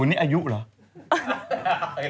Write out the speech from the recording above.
๘๐ในอายุเหรอ